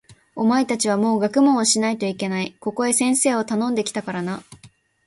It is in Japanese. お前たちはもう学問をしないといけない。ここへ先生をたのんで来たからな。